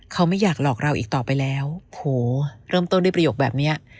เขาไม่อยากหลอกเราอีกต่อไปแล้วโหเริ่มต้นด้วยประโยคแบบเนี้ย